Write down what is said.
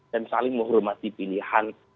dan saling menghormati pilihan